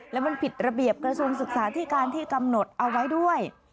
และมันผิดระเบียบกระทรวงศึกษาที่การที่กำหนดเอาไว้ด้วย